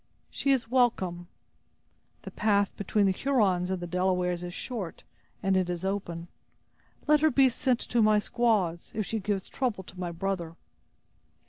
"She is welcome." "The path between the Hurons and the Delawares is short and it is open; let her be sent to my squaws, if she gives trouble to my brother."